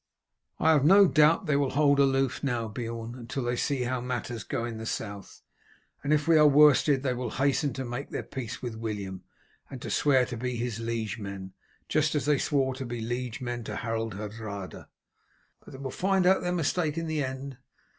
"I have no doubt they will hold aloof now, Beorn, until they see how matters go in the South, and if we are worsted they will hasten to make their peace with William, and to swear to be his liegemen, just as they swore to be liegemen to Harold Hardrada. But they will find out their mistake in the end.